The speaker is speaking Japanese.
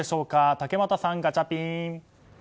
竹俣さん、ガチャピン。